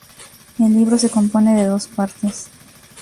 El libro se compone de dos partes.